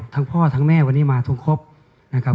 ทั้งพ่อทั้งแม่วันนี้มาทุกครบนะครับ